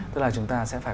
tức là chúng ta sẽ phải